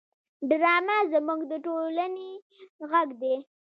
ډرامه زموږ د ټولنې غږ دی